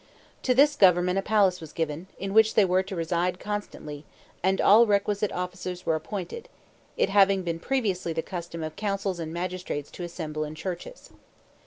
To this government a palace was given, in which they were to reside constantly, and all requisite officers were appointed; it having been previously the custom of councils and magistrates to assemble in churches.